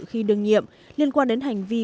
khi đương nhiệm liên quan đến hành vi